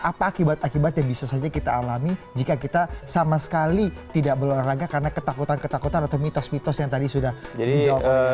apa akibat akibat yang bisa saja kita alami jika kita sama sekali tidak berolahraga karena ketakutan ketakutan atau mitos mitos yang tadi sudah dijawab